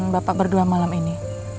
bapak berdua malam ini